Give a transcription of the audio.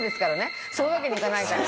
そういうわけにいかないから。